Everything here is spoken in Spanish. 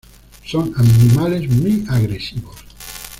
Son animales muy agresivos.